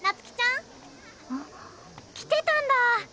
ん？来てたんだ。